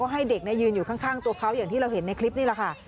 ให้เด็กยืนอยู่ข้างตัวเขาอย่างที่เราเห็นในคลิปนี่แหละค่ะ